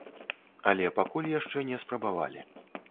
Але пакуль яшчэ не спрабавалі.